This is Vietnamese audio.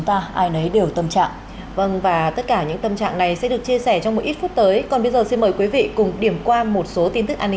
xin chào và hẹn gặp lại